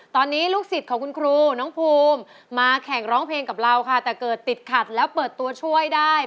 ตอนนี้ลูกศิษย์ของคุณครูน้องภูมิมาแข่งร้องเพลงกับเราค่ะแต่เกิดติดขัดแล้วเปิดตัวช่วยได้